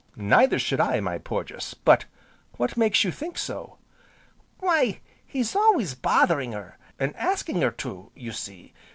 "Neither should I, my Porges. But what makes you think so?" "Why he's always bothering her, an' asking her to, you see.